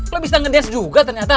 lo bisa ngedance juga ternyata